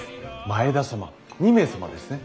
前田様２名様ですね。